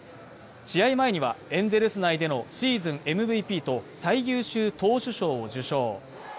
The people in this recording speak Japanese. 試合前には、エンゼルス内でのシーズンＭＶＰと最優秀投手賞を受賞。